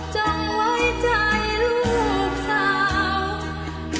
จับไว้ใจลูกสาว